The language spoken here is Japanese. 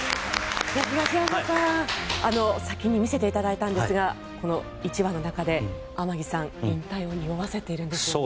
東山さん、先に見せていただいたんですがこの１話の中で、天樹さん引退をにおわせているんですね。